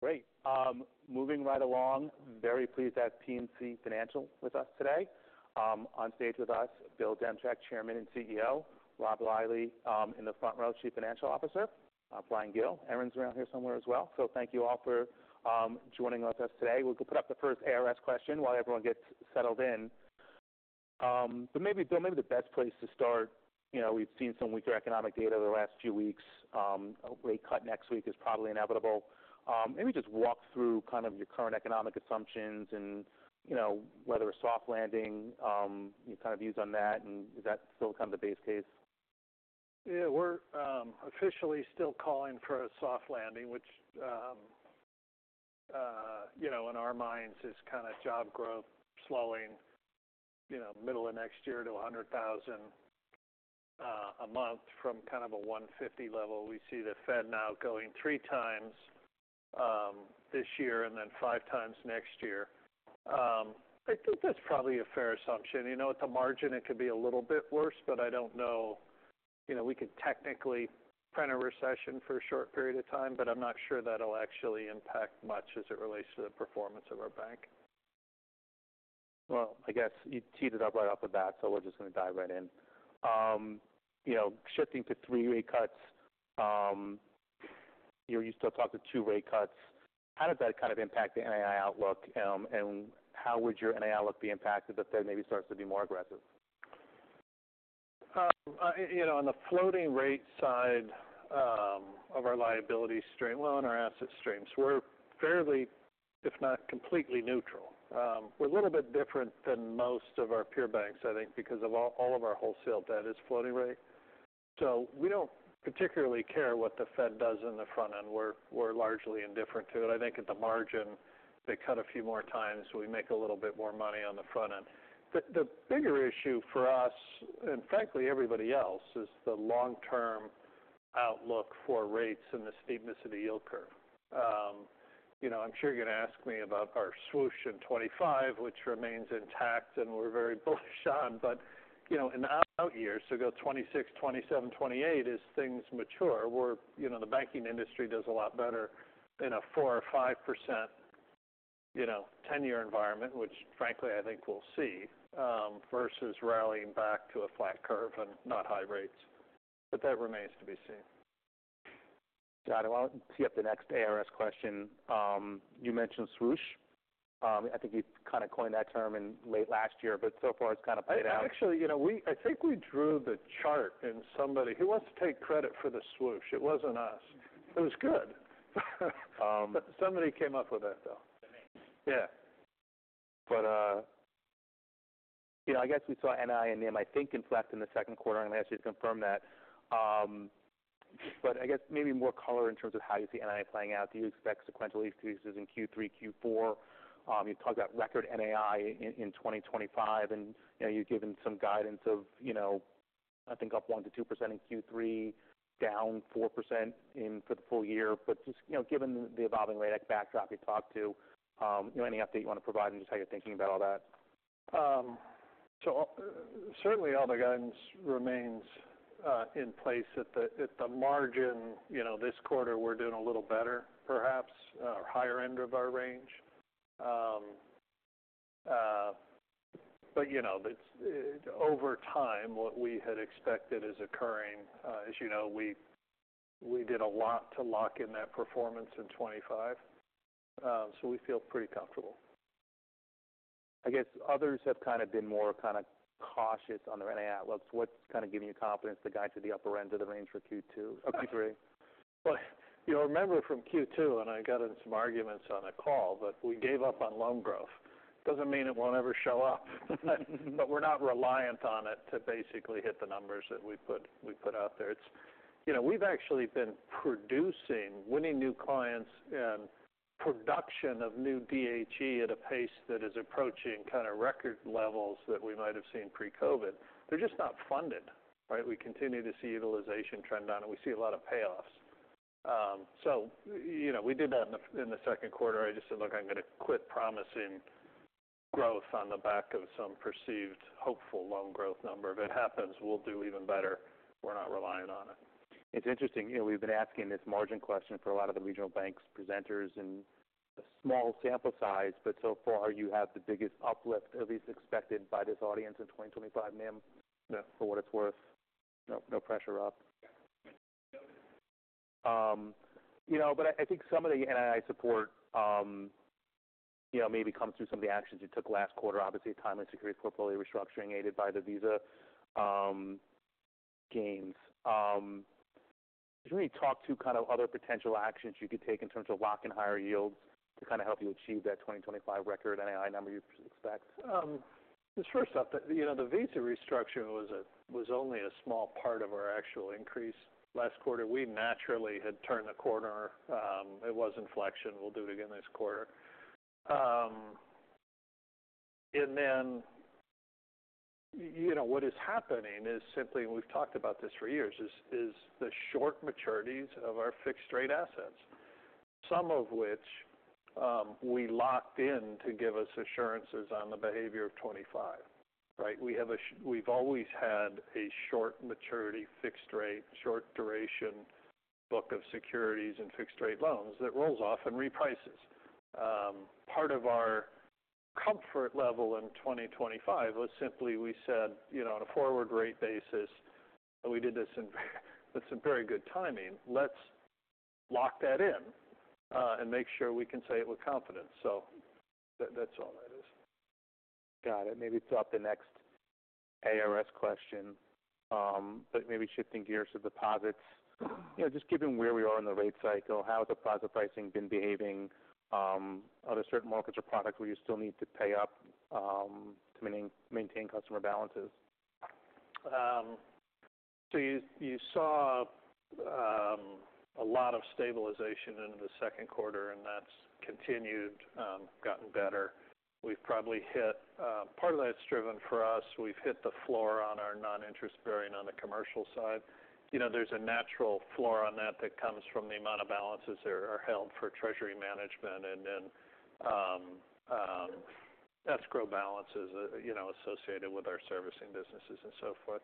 Great. Moving right along. Very pleased to have PNC Financial with us today. On stage with us, Bill Demchak, Chairman and CEO. Rob Reilly, in the front row, Chief Financial Officer. Bryan Gill. Aaron's around here somewhere as well, so thank you all for joining with us today. We'll put up the first ARS question while everyone gets settled in, but maybe, Bill, maybe the best place to start, you know, we've seen some weaker economic data the last few weeks. A rate cut next week is probably inevitable. Maybe just walk through kind of your current economic assumptions and, you know, whether a soft landing, your kind of views on that, and is that still kind of the base case? Yeah, we're officially still calling for a soft landing, which, you know, in our minds is kind of job growth slowing, you know, middle of next year to a hundred thousand a month from kind of a one fifty level. We see the Fed now going three times this year and then five times next year. I think that's probably a fair assumption. You know, at the margin, it could be a little bit worse, but I don't know. You know, we could technically print a recession for a short period of time, but I'm not sure that'll actually impact much as it relates to the performance of our bank. I guess you teed it up right off the bat, so we're just going to dive right in. You know, shifting to three rate cuts, you still talk to two rate cuts. How does that kind of impact the NII outlook, and how would your NII outlook be impacted if that maybe starts to be more aggressive? You know, on the floating rate side, on our asset streams, we're fairly, if not completely neutral. We're a little bit different than most of our peer banks, I think, because all of our wholesale debt is floating rate. So we don't particularly care what the Fed does in the front end. We're largely indifferent to it. I think at the margin, they cut a few more times, we make a little bit more money on the front end. The bigger issue for us, and frankly, everybody else, is the long-term outlook for rates and the steepness of the yield curve. You know, I'm sure you're going to ask me about our Swoosh in 2025, which remains intact and we're very bullish on. But, you know, in the out years, so go 2026, 2027, 2028, as things mature, we're, you know, the banking industry does a lot better in a 4% or 5%, you know, 10-year environment, which frankly, I think we'll see, versus rallying back to a flat curve and not high rates. But that remains to be seen. Got it. Well, tee up the next ARS question. You mentioned Swoosh. I think you kind of coined that term in late last year, but so far it's kind of played out. Actually, you know, we—I think we drew the chart and somebody... Who wants to take credit for the Swoosh? It wasn't us. It was good. Um- But somebody came up with that, though. Yeah. But, you know, I guess we saw NII and NIM, I think, inflect in the second quarter. I'm going to ask you to confirm that. But I guess maybe more color in terms of how you see NII playing out. Do you expect sequential decreases in Q3, Q4? You talked about record NII in 2025, and, you know, you've given some guidance of, you know, I think up 1% to 2% in Q3, down 4% in for the full year. But just, you know, given the evolving rate backdrop you talked to, any update you want to provide and just how you're thinking about all that. So certainly all the guidance remains in place. At the margin, you know, this quarter we're doing a little better, perhaps, higher end of our range. But you know, but over time, what we had expected is occurring. As you know, we did a lot to lock in that performance in 2025, so we feel pretty comfortable. I guess others have kind of been more kind of cautious on their NII outlooks. What's kind of giving you confidence to guide to the upper end of the range for Q2 and Q3? You'll remember from Q2, and I got in some arguments on a call, but we gave up on loan growth. Doesn't mean it won't ever show up, but we're not reliant on it to basically hit the numbers that we put out there. It's. You know, we've actually been producing, winning new clients and production of new DHE at a pace that is approaching kind of record levels that we might have seen pre-COVID. They're just not funded, right? We continue to see utilization trend down, and we see a lot of payoffs. So, you know, we did that in the second quarter. I just said: Look, I'm going to quit promising growth on the back of some perceived hopeful loan growth number. If it happens, we'll do even better. We're not relying on it. It's interesting, you know, we've been asking this margin question for a lot of the regional banks presenters and a small sample size, but so far, you have the biggest uplift, at least expected by this audience, in 2025, NIM. Yeah. For what it's worth. No, no pressure, Rob. You know, but I think some of the NII support, you know, maybe comes through some of the actions you took last quarter, obviously, a timely securities portfolio restructuring, aided by the Visa gains. Did you really talk to kind of other potential actions you could take in terms of locking higher yields to kind of help you achieve that 2025 record NII number you expect? First up, you know, the Visa restructure was a, was only a small part of our actual increase. Last quarter, we naturally had turned the corner. It was inflection. We'll do it again this quarter. And then, you know, what is happening is simply, and we've talked about this for years, is the short maturities of our fixed rate assets, some of which we locked in to give us assurances on the behavior of 2025, right? We've always had a short maturity, fixed rate, short duration book of securities and fixed rate loans that rolls off and reprices. Part of our comfort level in 2025 was simply we said, you know, on a forward rate basis, and we did this in with some very good timing, let's lock that in, and make sure we can say it with confidence. So that, that's all that is. Got it. Maybe it's up the next ARS question, but maybe shifting gears to deposits. You know, just given where we are in the rate cycle, how has deposit pricing been behaving? Are there certain markets or products where you still need to pay up to maintain customer balances? So you saw a lot of stabilization into the second quarter, and that's continued, gotten better. We've probably hit part of that's driven for us, we've hit the floor on our noninterest-bearing on the commercial side. You know, there's a natural floor on that that comes from the amount of balances that are held for treasury management, and then escrow balances, you know, associated with our servicing businesses and so forth.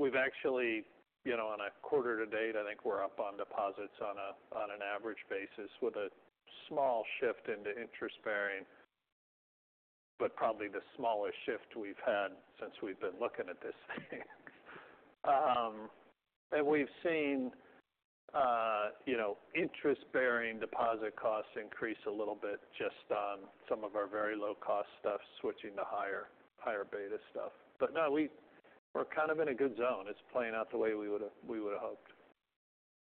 We've actually, you know, on a quarter-to-date, I think we're up on deposits on an average basis with a small shift into interest-bearing, but probably the smallest shift we've had since we've been looking at this thing. And we've seen, you know, interest bearing deposit costs increase a little bit just on some of our very low-cost stuff, switching to higher beta stuff. But no, we're kind of in a good zone. It's playing out the way we would've hoped.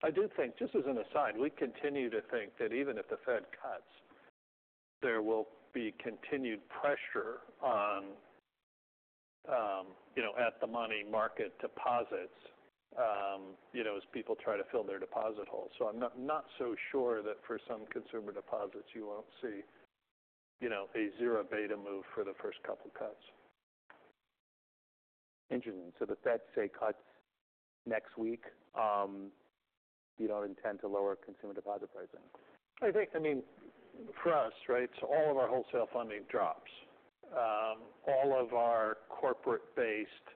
I do think, just as an aside, we continue to think that even if the Fed cuts, there will be continued pressure on, you know, at the money market deposits, you know, as people try to fill their deposit holes. So I'm not so sure that for some consumer deposits, you won't see, you know, a zero beta move for the first couple cuts. Interesting. So the Feds, say, cut next week, you don't intend to lower consumer deposit pricing? I think, I mean, for us, right, so all of our wholesale funding drops. All of our corporate-based,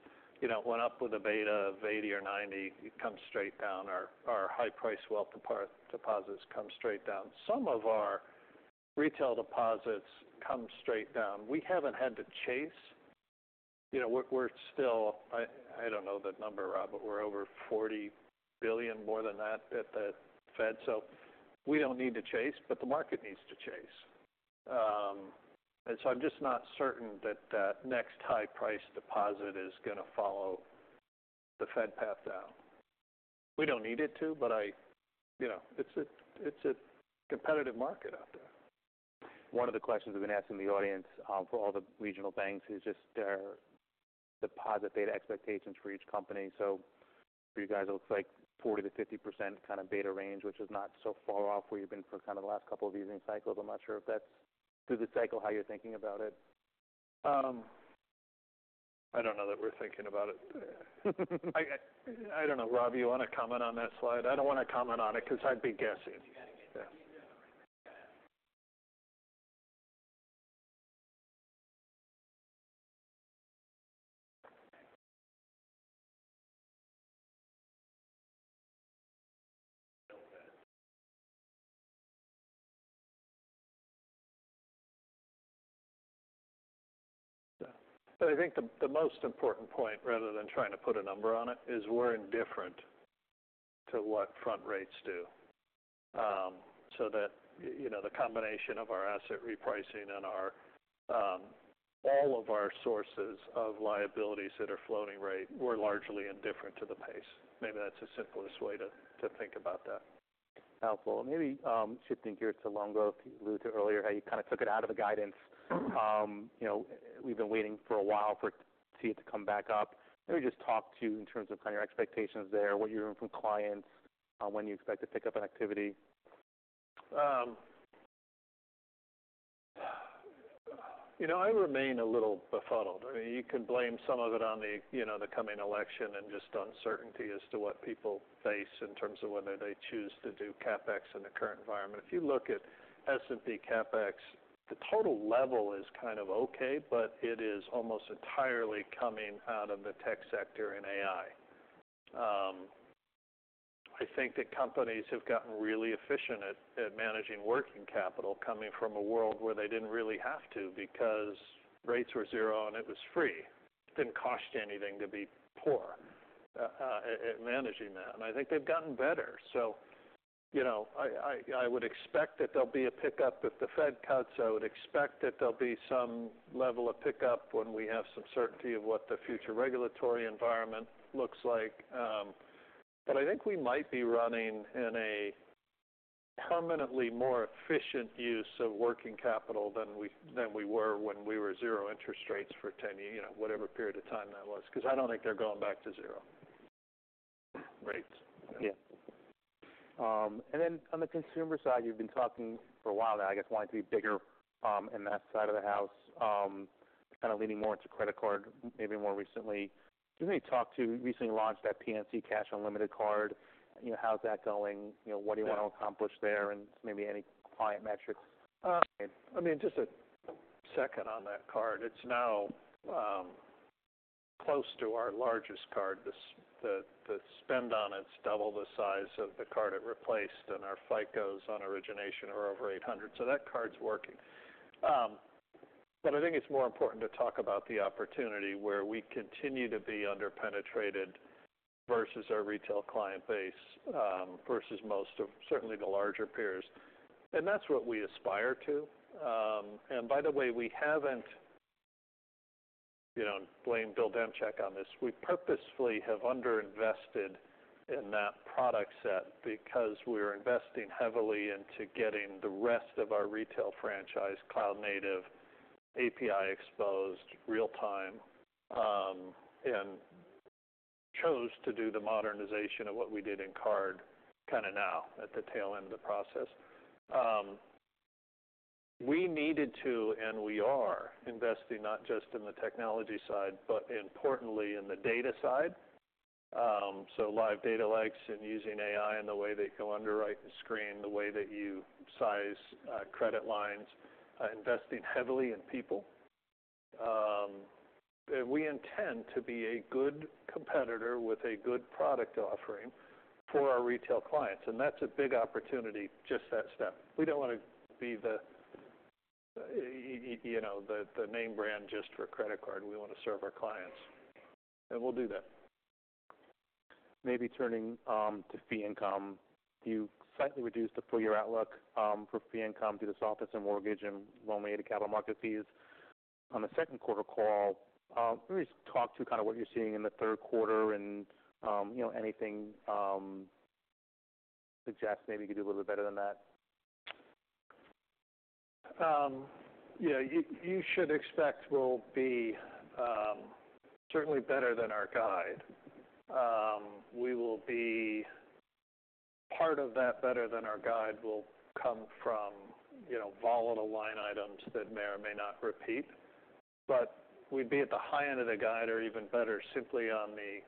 you know, went up with a beta of eighty or ninety, it comes straight down. Our high price wealth deposits come straight down. Some of our retail deposits come straight down. We haven't had to chase. You know, we're still, I don't know the number, Rob, but we're over 40 billion, more than that, at the Fed. So we don't need to chase, but the market needs to chase. And so I'm just not certain that that next high price deposit is gonna follow the Fed path down. We don't need it to, but I, you know, it's a competitive market out there. One of the questions we've been asking the audience for all the regional banks is just their deposit beta expectations for each company. So for you guys, it looks like 40%-50% kind of beta range, which is not so far off where you've been for kind of the last couple of easing cycles. I'm not sure if that's through the cycle, how you're thinking about it. I don't know that we're thinking about it. I don't know, Rob, you want to comment on that slide? I don't want to comment on it because I'd be guessing. Yeah. But I think the most important point, rather than trying to put a number on it, is we're indifferent to what front rates do. So that, you know, the combination of our asset repricing and all of our sources of liabilities that are floating rate, we're largely indifferent to the pace. Maybe that's the simplest way to think about that. Helpful. Maybe, shifting gears to loan growth. You alluded earlier how you kind of took it out of the guidance. You know, we've been waiting for a while for to see it to come back up. Maybe just talk to in terms of kind of your expectations there, what you're hearing from clients, when you expect to pick up on activity. You know, I remain a little befuddled. I mean, you can blame some of it on the, you know, the coming election and just uncertainty as to what people face in terms of whether they choose to do CapEx in the current environment. If you look at S&P CapEx, the total level is kind of okay, but it is almost entirely coming out of the tech sector and AI. I think that companies have gotten really efficient at managing working capital, coming from a world where they didn't really have to because rates were zero, and it was free. It didn't cost you anything to be poor at managing that, and I think they've gotten better. So, you know, I would expect that there'll be a pickup if the Fed cuts. I would expect that there'll be some level of pickup when we have some certainty of what the future regulatory environment looks like, but I think we might be running in a permanently more efficient use of working capital than we were when we were zero interest rates for 10-year, you know, whatever period of time that was, because I don't think they're going back to zero rates. Yeah. And then on the consumer side, you've been talking for a while now, I guess, wanting to be bigger in that side of the house. Kind of leaning more into credit card, maybe more recently. Can you talk about the recently launched PNC Cash Unlimited card? You know, how's that going? You know, what do you want to accomplish there, and maybe any client metrics? I mean, just a second on that card. It's now close to our largest card. The spend on it's double the size of the card it replaced, and our FICOs on origination are over 800. So that card's working. But I think it's more important to talk about the opportunity where we continue to be underpenetrated versus our retail client base, versus most certainly the larger peers. And that's what we aspire to. And by the way, we haven't, you know, blame Bill Demchak on this. We purposefully have underinvested in that product set because we're investing heavily into getting the rest of our retail franchise cloud native, API exposed, real time, and chose to do the modernization of what we did in card kind of now at the tail end of the process. We needed to, and we are investing not just in the technology side, but importantly in the data side, so live data lakes and using AI in the way that you underwrite and screen, the way that you size credit lines, investing heavily in people, and we intend to be a good competitor with a good product offering for our retail clients, and that's a big opportunity, just that step. We don't want to be the, you know, the name brand just for credit card. We want to serve our clients, and we'll do that. Maybe turning to fee income. You slightly reduced the full year outlook for fee income due to softness in mortgage and loan-related capital market fees. On the second quarter call, maybe just talk through kind of what you're seeing in the third quarter and, you know, anything suggests maybe you could do a little bit better than that? Yeah, you should expect we'll be certainly better than our guide. We will be. Part of that better than our guide will come from, you know, volatile line items that may or may not repeat, but we'd be at the high end of the guide or even better, simply on the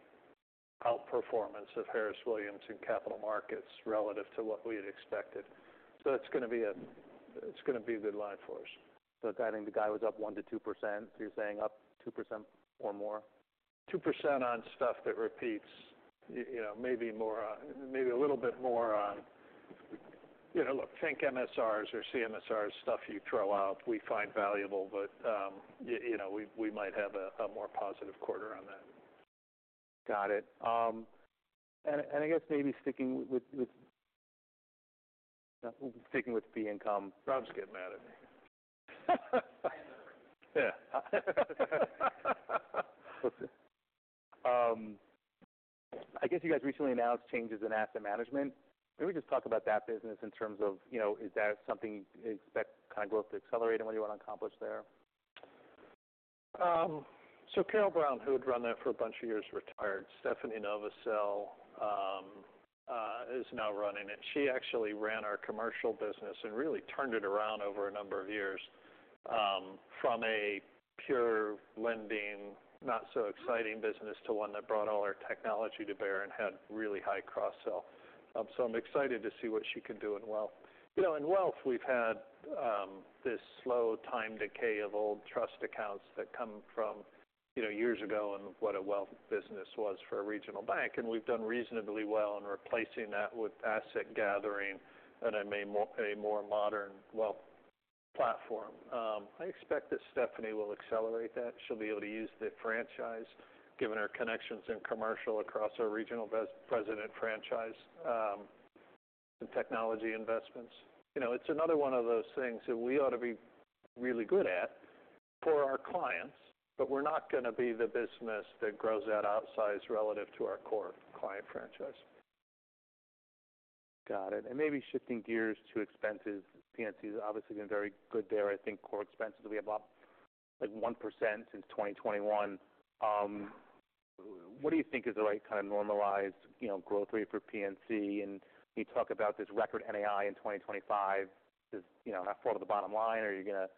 outperformance of Harris Williams and capital markets relative to what we had expected. It's gonna be a good line for us. Adding the guidance was up 1%-2%. You're saying up 2% or more? 2% on stuff that repeats. You know, maybe more on, maybe a little bit more on, you know, look, think MSRs or CMSRs, stuff you throw out, we find valuable, but you know, we might have a more positive quarter on that. Got it. And I guess maybe sticking with fee income- Rob's getting mad at me. Yeah. I guess you guys recently announced changes in asset management. Maybe just talk about that business in terms of, you know, is that something you expect kind of growth to accelerate and what you want to accomplish there? So Carole Brown, who had run that for a bunch of years, retired. Stephanie Novosel is now running it. She actually ran our commercial business and really turned it around over a number of years, from a pure lending, not so exciting business, to one that brought all our technology to bear and had really high cross-sell. So I'm excited to see what she can do in wealth. You know, in wealth, we've had this slow time decay of old trust accounts that come from, you know, years ago and what a wealth business was for a regional bank, and we've done reasonably well in replacing that with asset gathering and a more modern wealth platform. I expect that Stephanie will accelerate that. She'll be able to use the franchise, given our connections in commercial across our regional president franchise, and technology investments. You know, it's another one of those things that we ought to be really good at for our clients, but we're not gonna be the business that grows that outsize relative to our core client franchise. Got it. And maybe shifting gears to expenses. PNC has obviously been very good there. I think core expenses will be about, like, 1% since 2021. What do you think is the right kind of normalized, you know, growth rate for PNC? And you talk about this record NII in 2025. Does that, you know, fall to the bottom line, or are you gonna,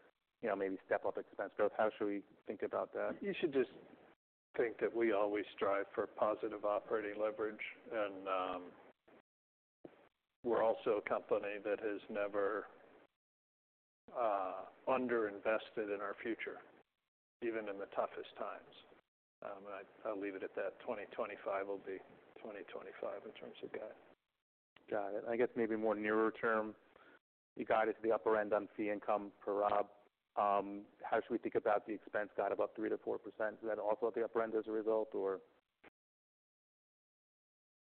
you know, maybe step up expense growth? How should we think about that? You should just think that we always strive for positive operating leverage, and we're also a company that has never underinvested in our future, even in the toughest times. I'll leave it at that. 2025 will be 2025 in terms of guide. Got it. I guess maybe more nearer term, you guided to the upper end on fee income for Rob. How should we think about the expense guide of up 3%-4%? Is that also at the upper end as a result, or?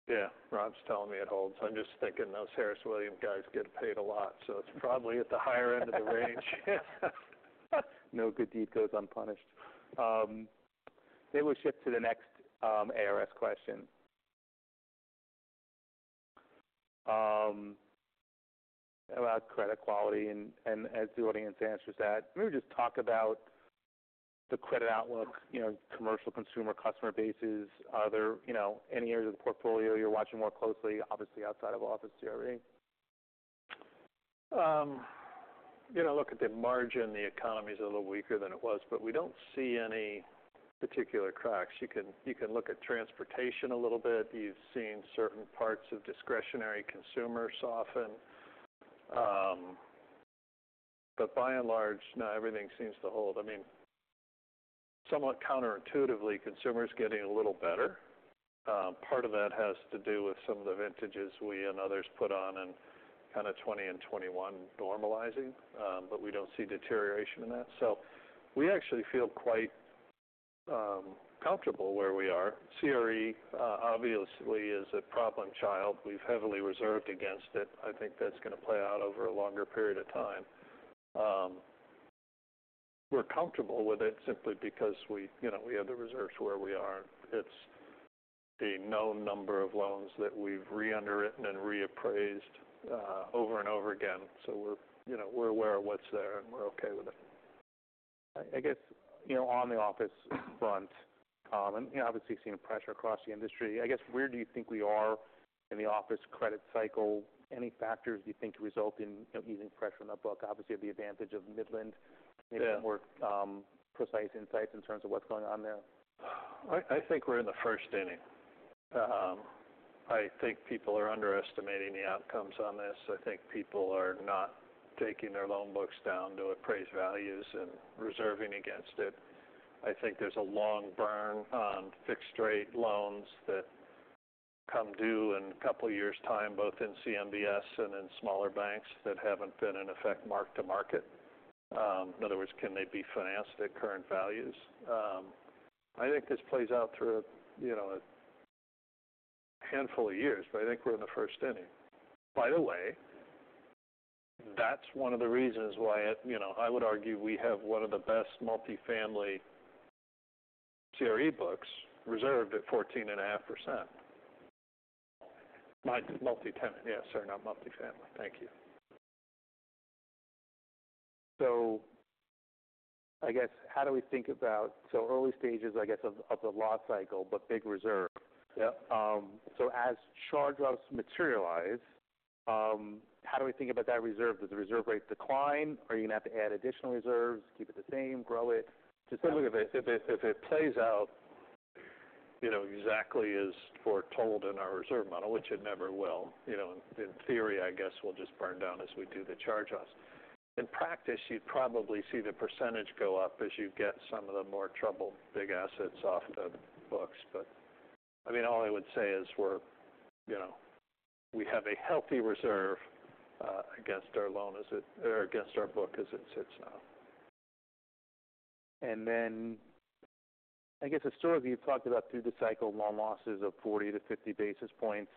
Yeah, Rob's telling me it holds. I'm just thinking those Harris Williams guys get paid a lot, so it's probably at the higher end of the range. No good deed goes unpunished. Maybe we'll shift to the next ARS question. About credit quality and as the audience answers that, maybe just talk about the credit outlook, you know, commercial consumer, customer bases. Are there, you know, any areas of the portfolio you're watching more closely, obviously outside of office CRE? .You know, look at the margin. The economy is a little weaker than it was, but we don't see any particular cracks. You can look at transportation a little bit. You've seen certain parts of discretionary consumer soften. But by and large, now everything seems to hold. I mean, somewhat counterintuitively, consumer is getting a little better. Part of that has to do with some of the vintages we and others put on in kind of 2020 and 2021 normalizing, but we don't see deterioration in that. So we actually feel quite comfortable where we are. CRE obviously is a problem child. We've heavily reserved against it. I think that's going to play out over a longer period of time. We're comfortable with it simply because we, you know, we have the reserves where we are. It's a known number of loans that we've re-underwritten and reappraised, over and over again. So we're, you know, we're aware of what's there and we're okay with it. I guess, you know, on the office front, and you obviously have seen pressure across the industry, I guess, where do you think we are in the office credit cycle? Any factors you think result in, you know, easing pressure on the book? Obviously, have the advantage of Midland- Yeah. Maybe some more precise insights in terms of what's going on there. I think we're in the first inning. I think people are underestimating the outcomes on this. I think people are not taking their loan books down to appraised values and reserving against it. I think there's a long burn on fixed rate loans that come due in a couple of years' time, both in CMBS and in smaller banks that haven't been, in effect, mark to market. In other words, can they be financed at current values? I think this plays out through, you know, a handful of years, but I think we're in the first inning. By the way, that's one of the reasons why, you know, I would argue we have one of the best multifamily CRE books, reserved at 14.5%. Multi-tenant, yes sir, not multifamily. Thank you. I guess, how do we think about early stages, I guess, of the loss cycle, but big reserve? Yeah. So as charge-offs materialize, how do we think about that reserve? Does the reserve rate decline, are you going to have to add additional reserves, keep it the same, grow it? Just- Look, if it plays out, you know, exactly as foretold in our reserve model, which it never will, you know, in theory, I guess, we'll just burn down as we do the charge-offs. In practice, you'd probably see the percentage go up as you get some of the more troubled big assets off the books. But, I mean, all I would say is we're, you know, we have a healthy reserve against our loans as it or against our book as it sits now. I guess historically, you've talked about through the cycle loan losses of 40-50 basis points.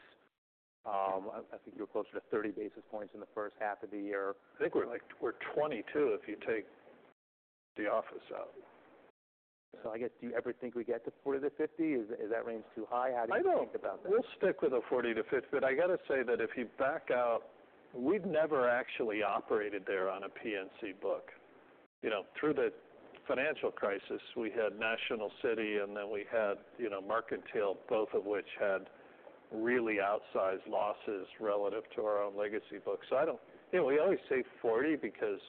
I think you're closer to 30 basis points in the first half of the year. I think we're like, we're 22, if you take the office out. I guess, do you ever think we get to 40 to 50? Is that range too high? How do you think about that? I don't. We'll stick with the 40 to 50, but I got to say that if you back out, we've never actually operated there on a PNC book. You know, through the financial crisis, we had National City, and then we had, you know, Mercantile, both of which had really outsized losses relative to our own legacy books. So I don't know. You know, we always say forty, because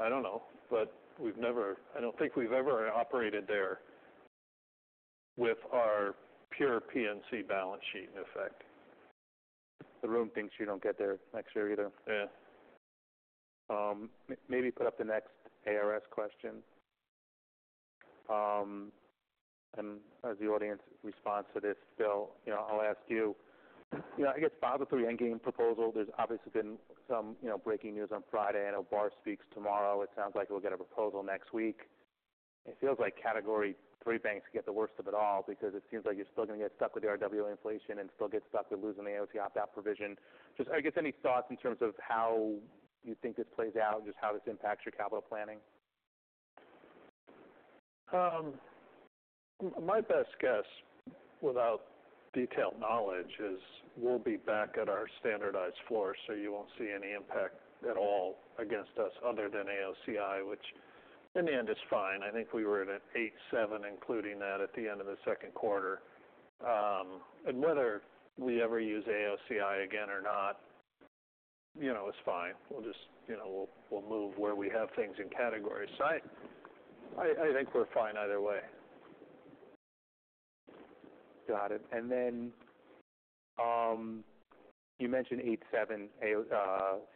I don't know, but I don't think we've ever operated there with our pure PNC balance sheet in effect. The room thinks you don't get there next year either. Yeah. Maybe put up the next ARS question. And as the audience responds to this, Bill, you know, I'll ask you. You know, I guess, Basel III Endgame proposal, there's obviously been some, you know, breaking news on Friday. I know Barr speaks tomorrow. It sounds like we'll get a proposal next week. It feels like Category III banks get the worst of it all because it seems like you're still going to get stuck with the RWA inflation and still get stuck with losing the AOCI opt-out provision. Just, I guess, any thoughts in terms of how you think this plays out and just how this impacts your capital planning? My best guess, without detailed knowledge, is we'll be back at our standardized floor, so you won't see any impact at all against us other than AOCI, which in the end is fine. I think we were at 8.7, including that at the end of the second quarter. Whether we ever use AOCI again or not, you know, is fine. We'll just, you know, we'll move where we have things in categories. I think we're fine either way. Got it. And then, you mentioned 8.7%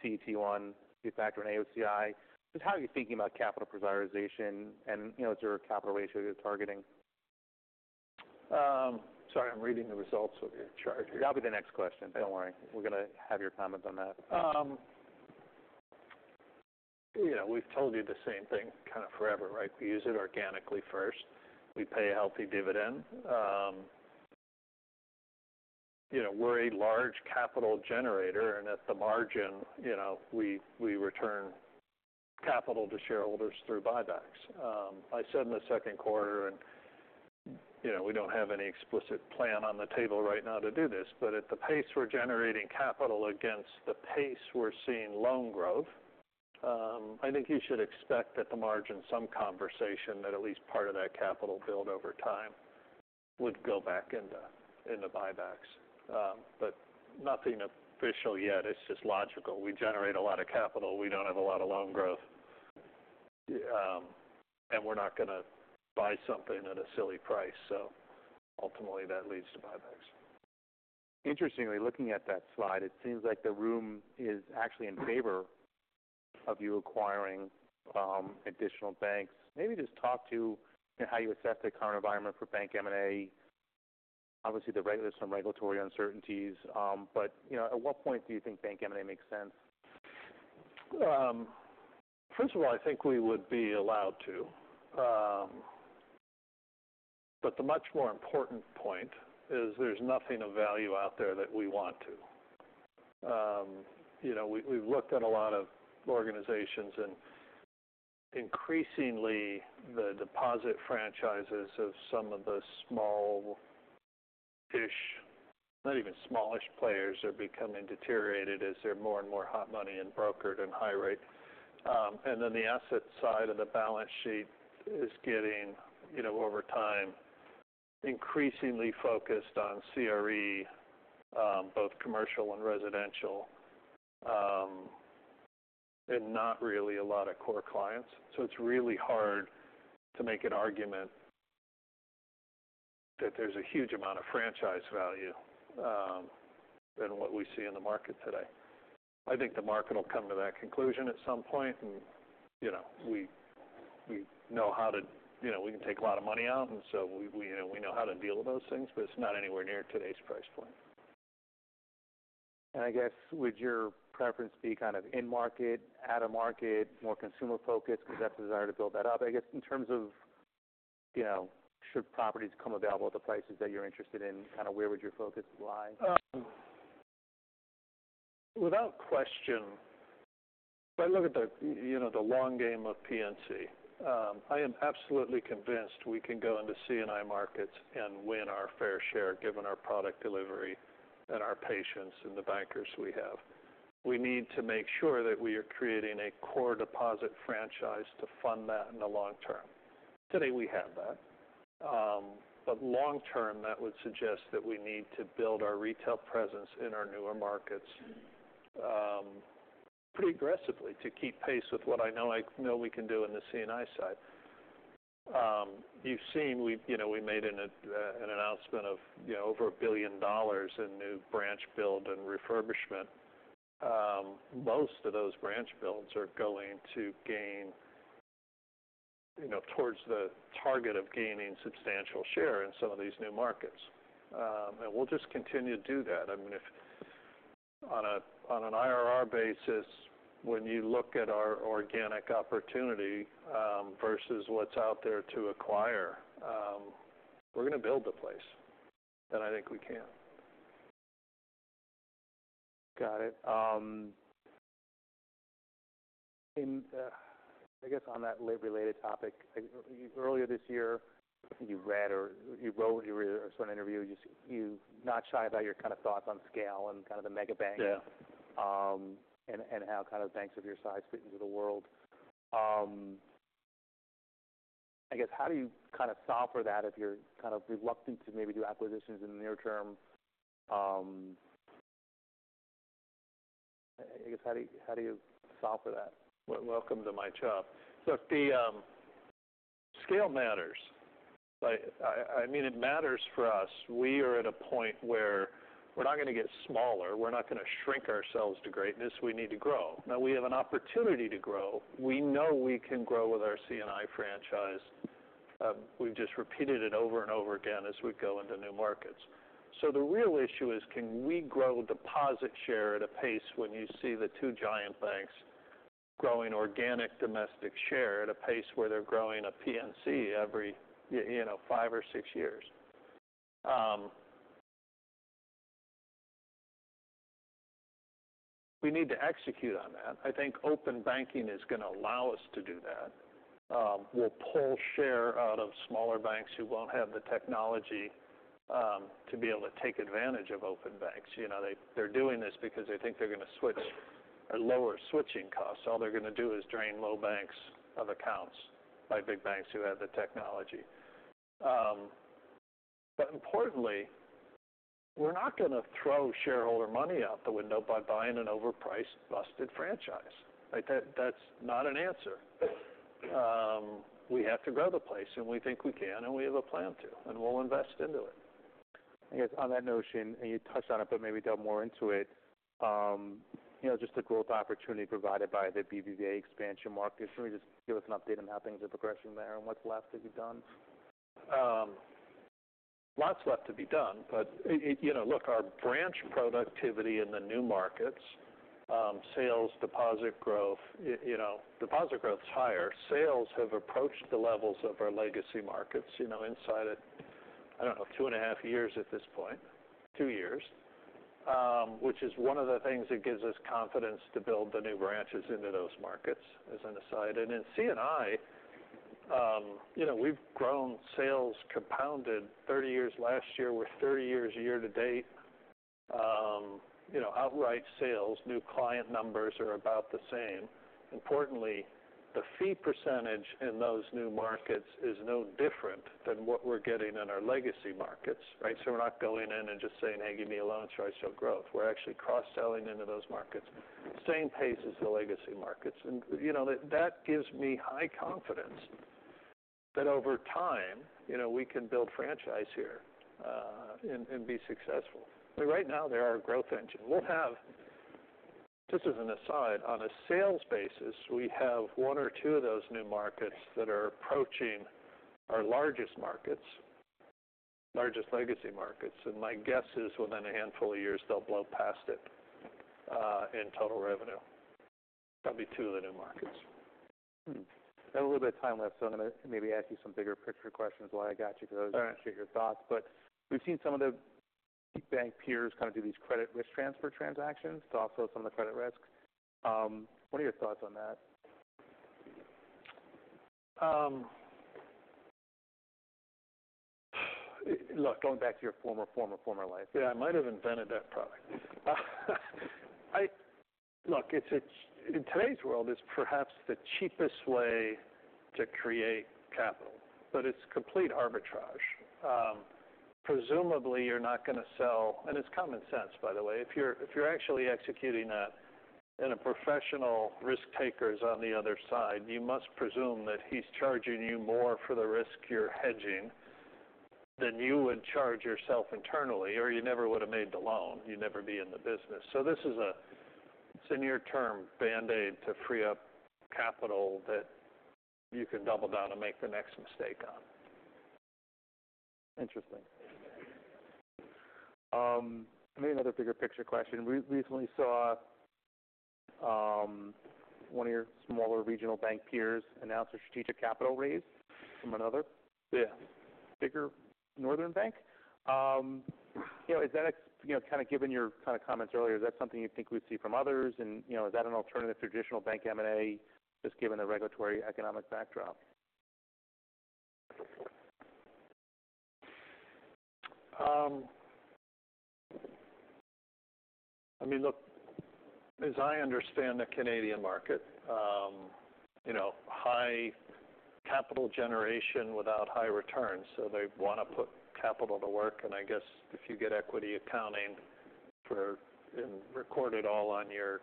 CET1, the factor in AOCI. Just how are you thinking about capital prioritization and, you know, is there a capital ratio you're targeting? Sorry, I'm reading the results of your chart here. That'll be the next question. Okay. Don't worry. We're going to have your comments on that. You know, we've told you the same thing kind of forever, right? We use it organically first. We pay a healthy dividend. You know, we're a large capital generator, and at the margin, you know, we return capital to shareholders through buybacks. I said in the second quarter, and you know, we don't have any explicit plan on the table right now to do this, but at the pace we're generating capital against the pace we're seeing loan growth. I think you should expect at the margin, some conversation that at least part of that capital build over time would go back into buybacks. But nothing official yet. It's just logical. We generate a lot of capital. We don't have a lot of loan growth, and we're not going to buy something at a silly price. So ultimately, that leads to buybacks. Interestingly, looking at that slide, it seems like the room is actually in favor of you acquiring additional banks. Maybe just talk to how you assess the current environment for bank M&A. Obviously, there's some regulatory uncertainties, but, you know, at what point do you think bank M&A makes sense? First of all, I think we would be allowed to, but the much more important point is there's nothing of value out there that we want to. You know, we've looked at a lot of organizations, and increasingly, the deposit franchises of some of the smallish, not even smallish players, are becoming deteriorated as they're more and more hot money and brokered and high rate, and then the asset side of the balance sheet is getting, you know, over time, increasingly focused on CRE, both commercial and residential, and not really a lot of core clients. So it's really hard to make an argument that there's a huge amount of franchise value than what we see in the market today. I think the market will come to that conclusion at some point, and you know, we know how to... You know, we can take a lot of money out, and so we know how to deal with those things, but it's not anywhere near today's price point. I guess, would your preference be kind of in-market, out-of-market, more consumer-focused, because that desire to build that up? I guess, in terms of, you know, should properties come available at the prices that you're interested in, kind of where would your focus lie? Without question, if I look at the, you know, the long game of PNC, I am absolutely convinced we can go into C&I markets and win our fair share, given our product delivery and our patience and the bankers we have. We need to make sure that we are creating a core deposit franchise to fund that in the long term. Today, we have that. But long term, that would suggest that we need to build our retail presence in our newer markets, pretty aggressively to keep pace with what I know we can do in the C&I side. You've seen, we've, you know, we made an announcement of, you know, over $1 billion in new branch build and refurbishment. Most of those branch builds are going to gain, you know, towards the target of gaining substantial share in some of these new markets. And we'll just continue to do that. I mean, if on an IRR basis, when you look at our organic opportunity, versus what's out there to acquire, we're going to build the place, and I think we can. Got it. In, I guess, on that LIBOR-related topic, I think earlier this year, you read or you wrote or I saw an interview, you, you're not shy about your kind of thoughts on scale and kind of the mega banks- Yeah. and how kind of banks of your size fit into the world. I guess, how do you kind of solve for that if you're kind of reluctant to maybe do acquisitions in the near term? I guess, how do you solve for that? Well, welcome to my job. Look, the scale matters. I mean, it matters for us. We are at a point where we're not going to get smaller. We're not going to shrink ourselves to greatness. We need to grow. Now, we have an opportunity to grow. We know we can grow with our C&I franchise. We've just repeated it over and over again as we go into new markets. So the real issue is, can we grow deposit share at a pace when you see the two giant banks growing organic domestic share at a pace where they're growing a PNC every you know five or six years? We need to execute on that. I think open banking is going to allow us to do that. We'll pull share out of smaller banks who won't have the technology to be able to take advantage of open banking. You know, they, they're doing this because they think they're going to switch lower switching costs. All they're going to do is drain local banks of accounts by big banks who have the technology, but importantly, we're not going to throw shareholder money out the window by buying an overpriced, busted franchise. Like, that, that's not an answer. We have to grow the place, and we think we can, and we have a plan to, and we'll invest into it. I guess, on that notion, and you touched on it, but maybe delve more into it, you know, just the growth opportunity provided by the BBVA expansion market. Can you just give us an update on how things are progressing there and what's left to be done? Lots left to be done, but you know, look, our branch productivity in the new markets, sales, deposit growth, you know, deposit growth is higher. Sales have approached the levels of our legacy markets, you know, inside it, I don't know, two and a half years at this point, two years, which is one of the things that gives us confidence to build the new branches into those markets, as an aside. In C&I, you know, we've grown sales compounded 30% last year. We're 30% year to date. You know, outright sales, new client numbers are about the same. Importantly, the fee percentage in those new markets is no different than what we're getting in our legacy markets, right? So we're not going in and just saying, "Hey, give me a loan, so I show growth." We're actually cross-selling into those markets, same pace as the legacy markets. And, you know, that gives me high confidence that over time, you know, we can build franchise here, and be successful. I mean, right now, they're our growth engine. We'll have just as an aside, on a sales basis, we have one or two of those new markets that are approaching our largest markets, largest legacy markets, and my guess is within a handful of years, they'll blow past it in total revenue. That'll be two of the new markets. Got a little bit of time left, so I'm going to maybe ask you some bigger picture questions while I got you- All right. Because I appreciate your thoughts. But we've seen some of the big bank peers kind of do these credit risk transfer transactions to offload some of the credit risks. What are your thoughts on that? Look, going back to your former life, yeah, I might have invented that product. Look, it's in today's world, it's perhaps the cheapest way to create capital, but it's complete arbitrage. Presumably, you're not going to sell... It's common sense, by the way. If you're actually executing that, and a professional risk taker is on the other side, you must presume that he's charging you more for the risk you're hedging than you would charge yourself internally, or you never would have made the loan. You'd never be in the business. This is a near-term Band-Aid to free up capital that you can double down and make the next mistake on. Interesting. Maybe another bigger picture question. We recently saw one of your smaller regional bank peers announce a strategic capital raise from another- Yeah. Bigger northern bank. You know, kind of given your kind of comments earlier, is that something you think we'd see from others? And, you know, is that an alternative to traditional bank M&A, just given the regulatory economic backdrop? I mean, look, as I understand the Canadian market, you know, high capital generation without high returns, so they want to put capital to work. And I guess if you get equity accounting and record it all on your,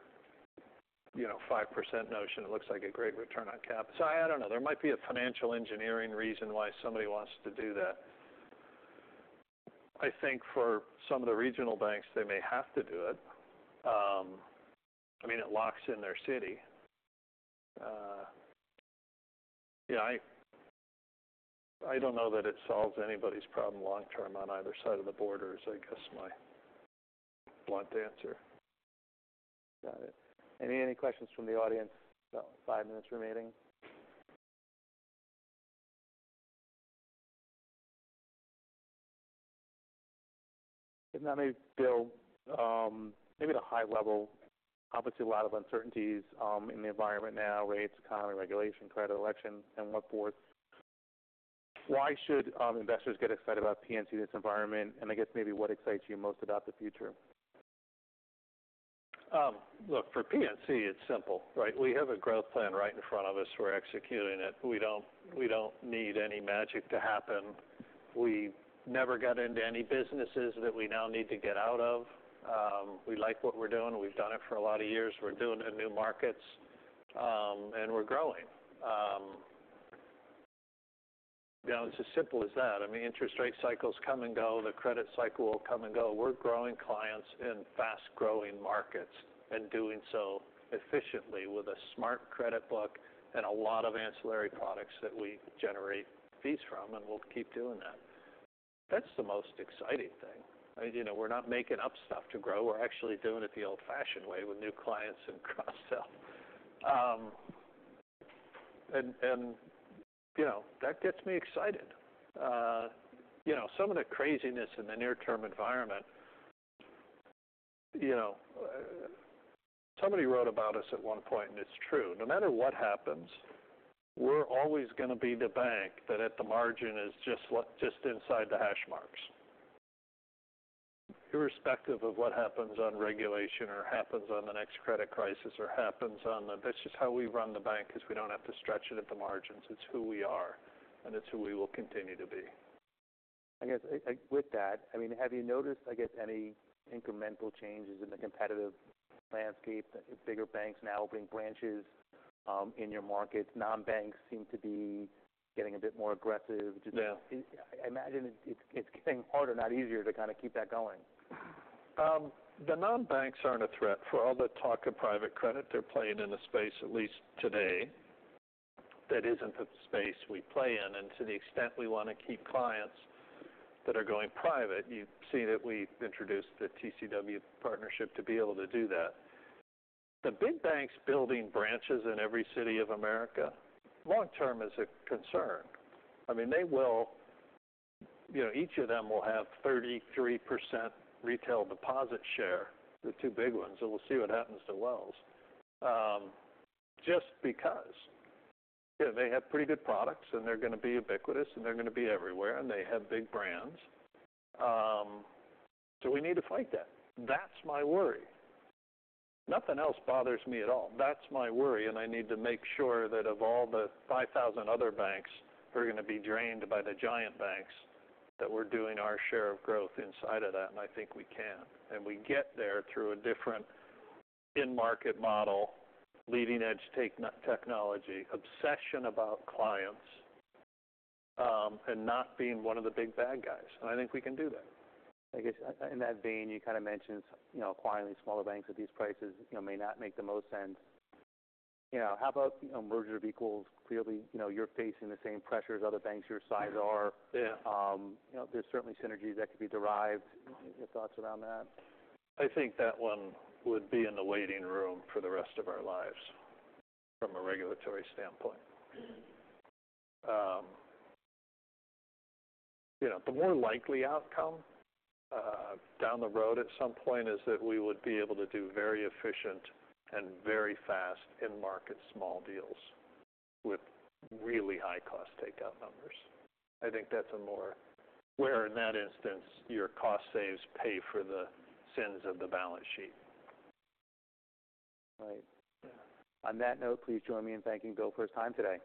you know, 5% notion, it looks like a great return on capital. So I don't know. There might be a financial engineering reason why somebody wants to do that. I think for some of the regional banks, they may have to do it. I mean, it locks in their city. Yeah, I don't know that it solves anybody's problem long term on either side of the border, is, I guess, my blunt answer. Got it. Any questions from the audience? About five minutes remaining. If not, maybe, Bill, maybe at a high level, obviously, a lot of uncertainties in the environment now, rates, economy, regulation, credit, election, and so forth. Why should investors get excited about PNC in this environment? And I guess maybe what excites you most about the future? Look, for PNC, it's simple, right? We have a growth plan right in front of us. We're executing it. We don't need any magic to happen. We never got into any businesses that we now need to get out of. We like what we're doing. We've done it for a lot of years. We're doing it in new markets, and we're growing. You know, it's as simple as that. I mean, interest rate cycles come and go, the credit cycle will come and go. We're growing clients in fast-growing markets and doing so efficiently with a smart credit book and a lot of ancillary products that we generate fees from, and we'll keep doing that. That's the most exciting thing. I mean, you know, we're not making up stuff to grow. We're actually doing it the old-fashioned way with new clients and cross-sell. And you know, that gets me excited. You know, some of the craziness in the near-term environment, you know, somebody wrote about us at one point, and it's true. No matter what happens, we're always going to be the bank that, at the margin, is just inside the hash marks. Irrespective of what happens on regulation or happens on the next credit crisis, that's just how we run the bank, because we don't have to stretch it at the margins. It's who we are, and it's who we will continue to be. I guess, with that, I mean, have you noticed, I guess, any incremental changes in the competitive landscape? Bigger banks now opening branches, in your markets. Non-banks seem to be getting a bit more aggressive. Yeah. I imagine it, it's getting harder, not easier, to kind of keep that going. The non-banks aren't a threat. For all the talk of private credit, they're playing in a space, at least today, that isn't the space we play in. And to the extent we want to keep clients that are going private, you've seen that we've introduced the TCW partnership to be able to do that. The big banks building branches in every city of America, long term, is a concern. I mean, they will, you know, each of them will have 33% retail deposit share, the two big ones, and we'll see what happens to Wells. Just because, you know, they have pretty good products, and they're going to be ubiquitous, and they're going to be everywhere, and they have big brands. So we need to fight that. That's my worry. Nothing else bothers me at all. That's my worry, and I need to make sure that of all the five thousand other banks who are going to be drained by the giant banks, that we're doing our share of growth inside of that, and I think we can. We get there through a different in-market model, leading-edge technology, obsession about clients, and not being one of the big, bad guys. I think we can do that. I guess in that vein, you kind of mentioned, you know, acquiring these smaller banks at these prices, you know, may not make the most sense. You know, how about a merger of equals? Clearly, you know, you're facing the same pressures other banks your size are. Yeah. You know, there's certainly synergies that could be derived. Your thoughts around that? I think that one would be in the waiting room for the rest of our lives from a regulatory standpoint. You know, the more likely outcome, down the road at some point is that we would be able to do very efficient and very fast in-market small deals with really high cost takeout numbers. I think that's a more, where in that instance, your cost savings pay for the sins of the balance sheet. Right. On that note, please join me in thanking Bill for his time today.